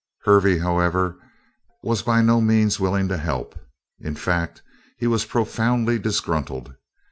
Hervey, however, was by no means willing to help. In fact, he was profoundly disgruntled.